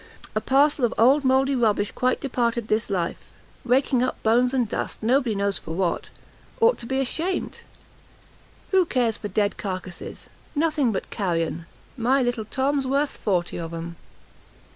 a parcel of old mouldy rubbish quite departed this life! raking up bones and dust, nobody knows for what! ought to be ashamed; who cares for dead carcases? nothing but [carrion]. My little Tom's worth forty of 'em!"